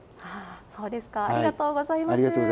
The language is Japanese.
そうですか、ありがとうございます。